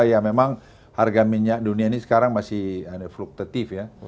ya memang harga minyak dunia ini sekarang masih fluktatif ya